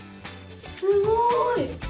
すごい！